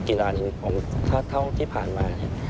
กีฬานี้ผมเท่าที่ผ่านมา